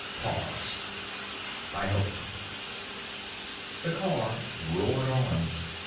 Pause. "I hope." The car roared on.